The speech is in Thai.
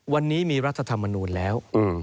วันนี้มีรัฐธรรมนูลแล้ว